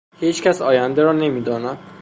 هیچکس آینده را نمیداند.